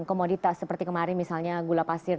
komoditas seperti kemarin misalnya gula pasir